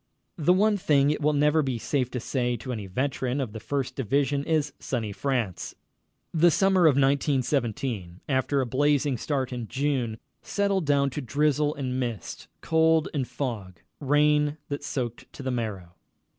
The one thing it will never be safe to say to any veteran of the First Division is "Sunny France." The summer of 1917, after a blazing start in June, settled down to drizzle and mist, cold and fog, rain that soaked to the marrow.